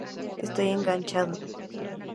Estoy enganchado".